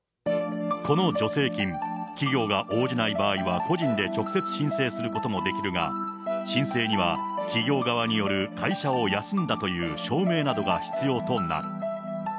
この助成金、企業が応じない場合は個人で直接申請することもできるが、申請には企業側による会社を休んだという証明などが必要となる。